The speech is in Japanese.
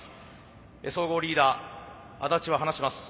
総合リーダー安達は話します。